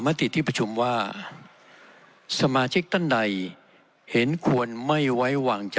ตอบมาทีที่ผู้คุณพละกลับมาว่าสมาชิกตั้นใดจะจะเห็นควรไม่ไว้วางใจ